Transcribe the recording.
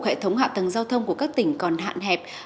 hệ thống hạ tầng giao thông của các tỉnh còn hạn hẹp